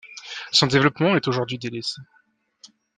Son développement est aujourd'hui délaissé.